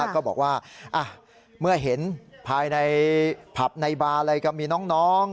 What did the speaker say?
ก็บอกว่าเมื่อเห็นภายในผับในบาร์อะไรก็มีน้อง